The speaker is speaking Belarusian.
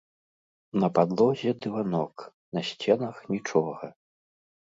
На падлозе дыванок, на сценах нічога.